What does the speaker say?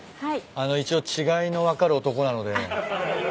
あの一応違いの分かる男なので。